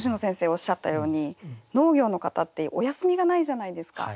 おっしゃったように農業の方ってお休みがないじゃないですか。